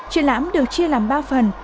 triển lãm được chia làm ba phần